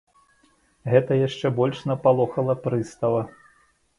Гэта яшчэ больш напалохала прыстава.